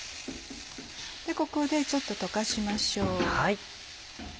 ここでちょっと溶かしましょう。